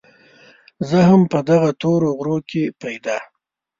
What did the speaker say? زه هم په دغه تورو غرو کې پيدا